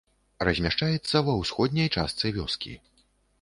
Размяшчаецца ва ўсходняй частцы вёскі.